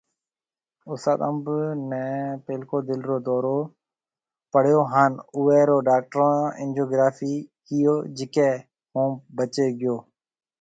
استاد انب ني پھلڪو دل رو دئورو پيو ھان اوئي رو ڊاڪٽرون اينجوگرافي ڪيئو جڪي ھوناو بچي گيو